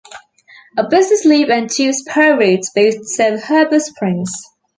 A business loop and two spur routes both serve Heber Springs.